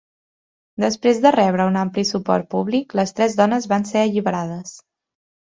Després de rebre un ampli suport públic, les tres dones van ser alliberades.